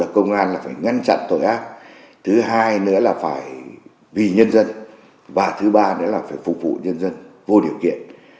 công an là phải ngăn chặn tội ác thứ hai nữa là phải vì nhân dân và thứ ba nữa là phải phục vụ nhân dân vô điều kiện